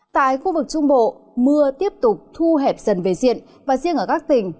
tại khu vực trung bộ mưa tiếp tục thu hẹp dần về diện và riêng ở các tỉnh